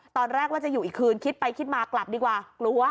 ตอนแรกว่าจะอยู่อีกคืนคิดไปคิดมากลับดีกว่ากลัว